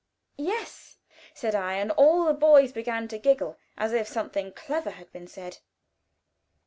"Yes," said I, and all the boys began to giggle as if something clever had been said.